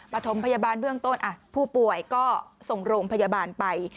ประถมพยาบาลเบื้องต้นผู้ป่วยก็ส่งโรงพยาบาลไป